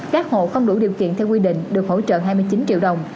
các hộ không đủ điều kiện theo quy định được hỗ trợ hai mươi chín triệu đồng